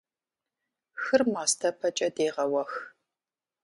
Хыр мастэпэкӀэ дегъэуэх.